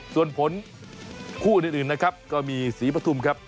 ส่วนผลคู่อื่นนะครับก็มีศรีปฐุมครับ